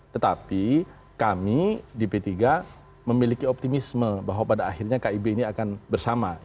tetapi kami di p tiga memiliki optimisme bahwa pada akhirnya kib ini akan bersama